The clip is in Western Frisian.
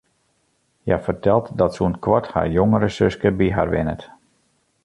Hja fertelt dat sûnt koart har jongere suske by har wennet.